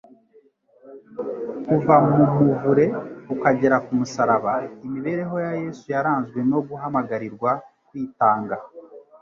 Kuva mu muvure ukagera ku musaraba, imibereho ya Yesu yaranzwe no guhamagarirwa kwitanga